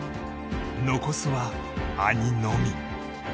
残すは兄のみ。